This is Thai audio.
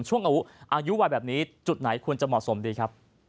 ช่วงอายุวัยแบบนี้จุดไหนควรจะเหมาะสมดีครับ